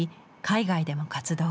海外でも活動。